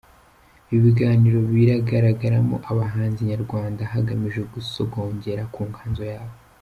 Ibi biganiro biragaragaramo abahanzi nyarwanda, hagamijwe gusogongera ku nganzo yabo.